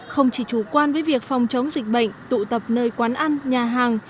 không chỉ chủ quan với việc phòng chống dịch bệnh tụ tập nơi quán ăn nhà hàng